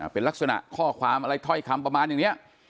เป็นลักษณะข้อความอะไรถ้อยคำประมาณอย่างนี้